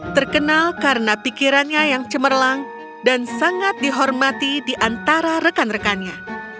terkenal karena pikirannya yang cemerlang dan sangat dihormati di antara rekan rekannya